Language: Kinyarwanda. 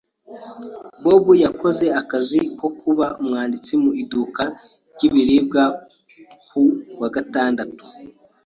Bob yakoze akazi ko kuba umwanditsi mu iduka ry ibiribwa ku wa gatandatu.